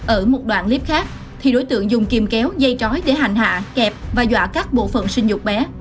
ở một đoạn clip khác thì đối tượng dùng kìm kéo dây trói để hành hạ kẹp và dọa các bộ phận sinh dục bé